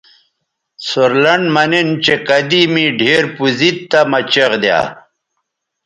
سور لنڈ مہ نِن چہء کدی می ڈِھیر پوزید تی مہ چیغ دیا